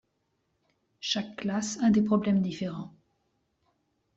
Chaque classe a des problèmes différents.